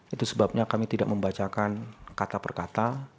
itu sebabnya kami tidak membacakan kata per kata